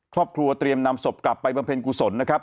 ครอบครัวเตรียมนำศพกลับไปบำเพ็ญกุศลนะครับ